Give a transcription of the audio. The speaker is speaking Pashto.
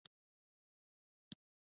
په چین کې د کار کولو ځواک ډېر دی.